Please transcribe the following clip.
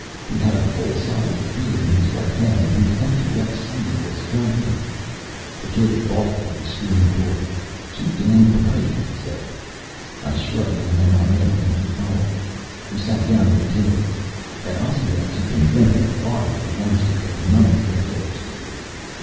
He had a full seidel of beer in his right hand and his empty left sleeve was flapping. The kid balked at the screen door. "Too damn bright," he said. I shrugged and went on in and he followed. We sat down at a table. At Oswiak's you can drink at the bar if you want to, but none of the regulars do.